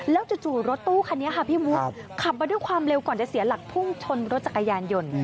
จู่รถตู้คันนี้ค่ะพี่บุ๊คขับมาด้วยความเร็วก่อนจะเสียหลักพุ่งชนรถจักรยานยนต์